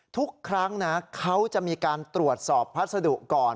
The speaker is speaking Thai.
ทุกครั้งนะเขาจะมีการตรวจสอบพัสดุก่อน